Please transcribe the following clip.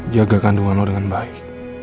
jaga kandungan lo dengan baik